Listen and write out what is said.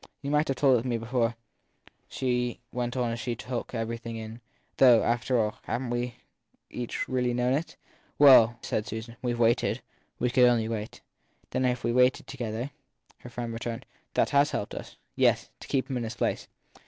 You might have told me before, she went on as she took everything in; though, after all, haven t we each really known it ? Well, said Susan, we ve waited. We could only wait. Then if we ve waited together, her friend returned, that has helped us. THE THIRD PERSON 271 t Yes to keep him in his place.